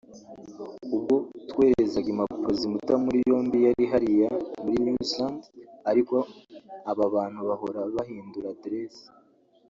“Ubwo twoherezaga impapuro zimuta muri yombi yari hariya (Muri New Zealand) ariko aba bantu bahora bahindura aderese“